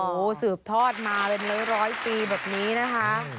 โอ้โหสืบทอดมาเป็นร้อยปีแบบนี้นะคะ